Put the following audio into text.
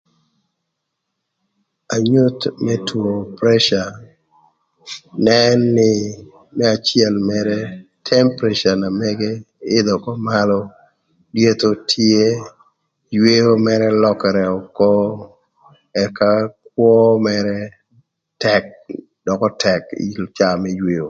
Anyuth më two preca nen nï më acël mërë temperature na mëgë ïdhö ökö malö, lyetho tye, yweo mërë lökërë ökö ëka kwö mërë tëk dökö tëk onyo ï caa më yweo.